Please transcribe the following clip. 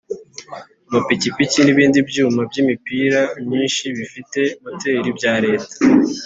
Amapikipiki n’ibindi byuma by’imipira myinshi bifite moteri bya Leta